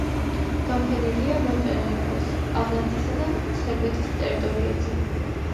განფენილია მონტენეგროს, ალბანეთისა და სერბეთის ტერიტორიებზე.